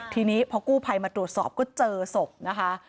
ทีนี้พอกู้ภัยมาตรวจสอบก็เจอศพนะคะ